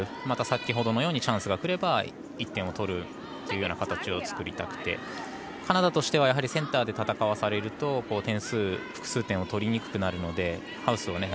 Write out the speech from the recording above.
また先ほどのようにチャンスがくれば１点を取る形を作りたくてカナダとしてはセンターで戦わされると複数点を取りにくくなるのでハウスを